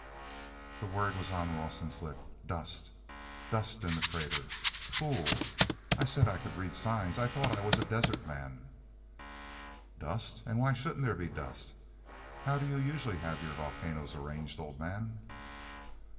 The word was on Rawson's lips. "Dust—dust in the crater. Fool! I said I could read sign; I thought I was a desert man." "Dust? And why shouldn't there be dust? How do you usually have your volcanoes arranged, old man?"